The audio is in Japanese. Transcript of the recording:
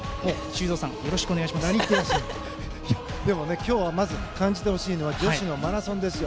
今日はまず感じてほしいのは女子マラソンですよ。